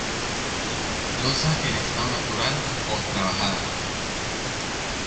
Losa en estado natural o trabajada.